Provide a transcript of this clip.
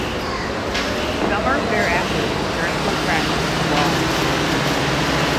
Summers thereafter returned to the practice of law.